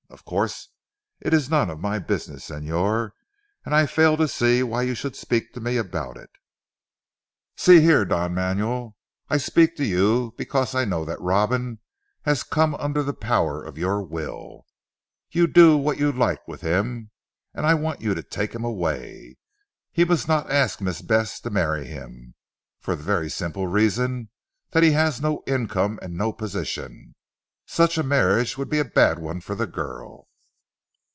Of course it is none of my business, Señor, and I fail to see why you should speak to me about it." "See here, Don Manuel. I speak to you because I know that Robin has come under the power of your will. You do what you like with him, and I want you to take him away. He must not ask Miss Bess to marry him, for the very simple reason that he has no income and no position. Such a marriage would be a bad one for the girl."